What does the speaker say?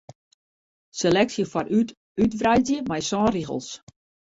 Seleksje foarút útwreidzje mei sân rigels.